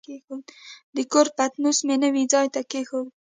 د کور پتنوس مې نوي ځای ته کېښود.